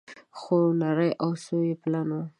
څو نري او څو يې پلن وه